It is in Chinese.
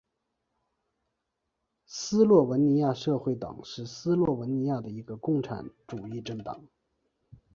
斯洛文尼亚社会党是斯洛文尼亚的一个共产主义政党。